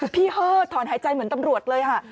พี่ฮ่อถอนหายใจเหมือนตำรวจเลยอ่ะ